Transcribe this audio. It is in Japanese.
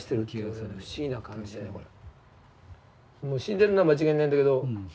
死んでるのは間違いないんだけど。